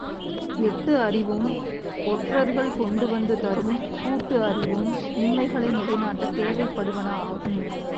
எட்டு அறிவும், ஒற்றர்கள் கொண்டுவந்து தரும் கூட்டு அறிவும் உண்மைகளை நிலைநாட்டத் தேவைப்படுவன ஆகும்.